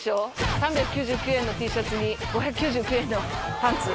３９９円のＴシャツに５９９円のパンツ。